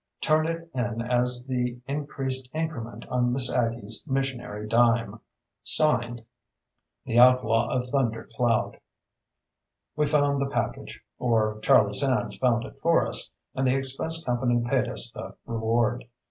Turn it in as the increased increment on Miss Aggie's missionary dime. (Signed) THE OUTLAW OF THUNDER CLOUD. We found the package, or Charlie Sands found it for us, and the express company paid us the reward.